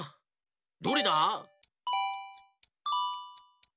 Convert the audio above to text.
どれだ？